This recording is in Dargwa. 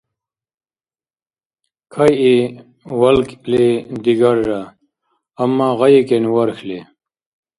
Кайи валкӀли-дигара, амма гъайикӀен вархьли.